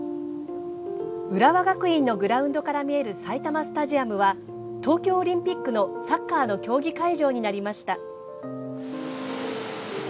浦和学院のグラウンドから見える埼玉スタジアムは東京オリンピックのサッカーの競技会場になりました。